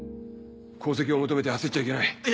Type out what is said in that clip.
功績を求めて焦っちゃいけない。